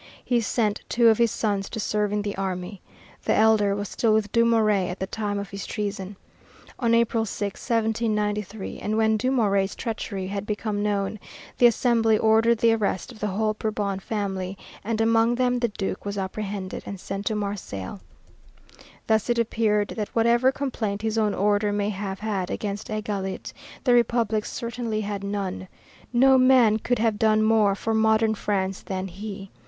He sent two of his sons to serve in the army. The elder was still with Dumouriez at the time of his treason. On April 6, 1793, when Dumouriez's treachery had become known, the Assembly ordered the arrest of the whole Bourbon family, and among them the Duke was apprehended and sent to Marseilles. Thus it appears that whatever complaint his own order may have had against Égalité, the Republic certainly had none. No man could have done more for modern France than he.